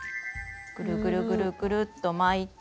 ぐるぐるぐるぐると巻いて。